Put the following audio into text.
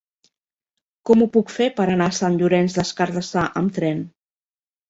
Com ho puc fer per anar a Sant Llorenç des Cardassar amb tren?